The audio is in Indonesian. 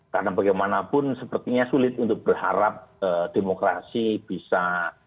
karena bagaimanapun sepertinya sulit untuk berharap demokrasi bisa